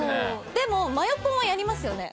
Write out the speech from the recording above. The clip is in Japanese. でもマヨポンはやりますよね。